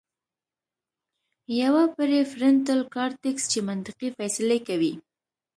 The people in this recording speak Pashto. يوه پري فرنټل کارټيکس چې منطقي فېصلې کوي